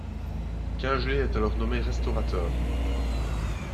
Kingelez est alors nommé restaurateur.